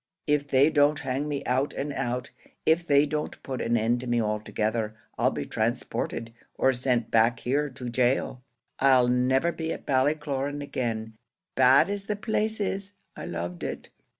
av they don't hang me out and out av they don't put an end to me altogether, I'll be transported, or sent back here to gaol. I'll never be at Ballycloran again. Bad as the place is, I loved it.